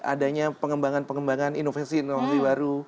adanya pengembangan pengembangan inovasi inovasi baru